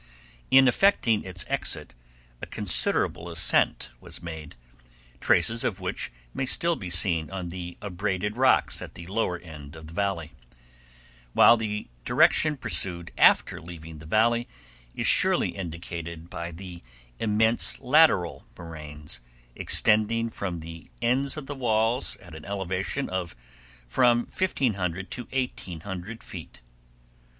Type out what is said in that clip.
In effecting its exit a considerable ascent was made, traces of which may still be seen on the abraded rocks at the lower end of the Valley, while the direction pursued after leaving the Valley is surely indicated by the immense lateral moraines extending from the ends of the walls at an elevation of from 1500 to 1800 feet.